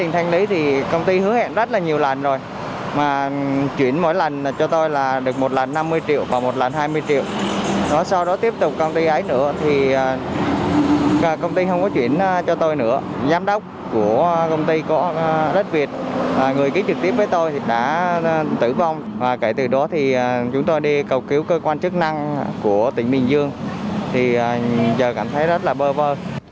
thì công ty hứa hẹn rất là nhiều lần rồi mà chuyển mỗi lần cho tôi là được một lần năm mươi triệu và một lần hai mươi triệu sau đó tiếp tục công ty ấy nữa thì công ty không có chuyển cho tôi nữa giám đốc của công ty của đất việt người ký trực tiếp với tôi thì đã tử vong và kể từ đó thì chúng tôi đi cầu cứu cơ quan chức năng của tỉnh bình dương thì giờ cảm thấy rất là bơ vơ